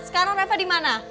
sekarang reva dimana